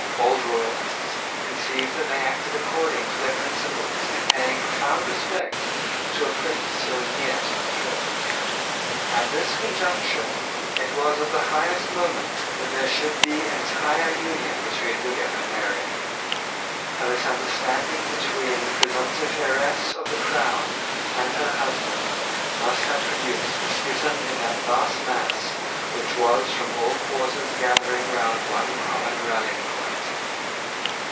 Old royalists conceived that they acted according to their principles in paying profound respect to a prince so near to the throne. At this conjuncture it was of the highest moment that there should be entire union between William and Mary. A misunderstanding between the presumptive heiress of the crown and her husband must have produced a schism in that vast mass which was from all quarters gathering round one common rallying point.